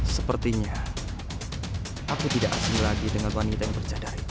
sepertinya aku tidak asing lagi dengan wanita yang bercadar itu